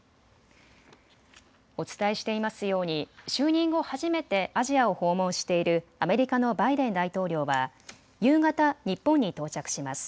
お伝えしていますように就任後、初めてアジアを訪問しているアメリカのバイデン大統領は夕方、日本に到着します。